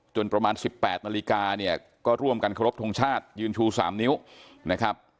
ประมาณ๑๘นาฬิกาเนี่ยก็ร่วมกันเคารพทงชาติยืนชู๓นิ้วนะครับ